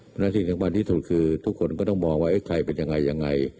พนักศึกษ์จากวันที่สุดคือทุกคนก็ต้องมองว่าเอ๊ะใครเป็นยังไงยังไง